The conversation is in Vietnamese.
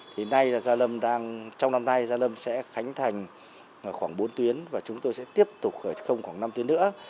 thì nay là gia lâm đang trong năm nay gia lâm sẽ khánh thành khoảng bốn tuyến và chúng tôi sẽ tiếp tục khởi công khoảng năm tuyến nữa